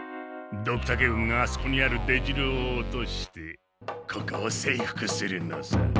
ドクタケ軍があそこにある出城を落としてここを征服するのさ。